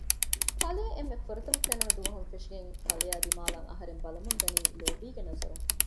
ކަލޭ އެންމެ ފުރަތަމަ ފެނުނު ދުވަހުން ފެށިގެން ކަލެއާ ދިމާއަށް އަހަރެން ބަލަމުންދަނީ ލޯބީގެ ނަޒަރުން